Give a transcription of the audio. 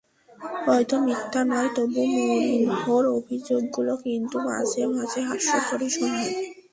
হয়তো মিথ্যা নয়, তবু মরিনহোর অভিযোগগুলো কিন্তু মাঝে মাঝে হাস্যকরই শোনায়।